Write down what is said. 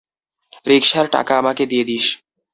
রিকশার টাকা আমাকে দিয়ে দিস।